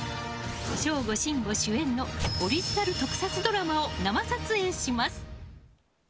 省吾・信五主演のオリジナル特撮ドラマを生撮影します！